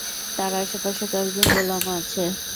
তার আশে-পাশে কয়েকজন গোলামও ছিল।